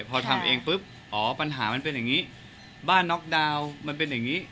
พอทำเองปุ๊บอ๋อปัญหามันเป็นอย่างนี้บ้านน็อกดาวน์มันเป็นอย่างนี้